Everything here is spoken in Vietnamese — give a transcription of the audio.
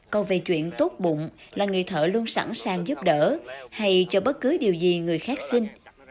câu về chuyện tốt bụng là người thợ luôn sẵn sàng giúp đỡ hay cho bất cứ điều gì người khác xin